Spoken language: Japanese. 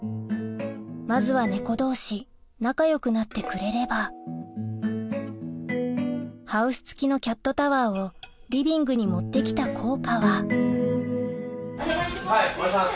まずは猫同士仲よくなってくれればハウス付きのキャットタワーをリビングに持って来た効果はお願いします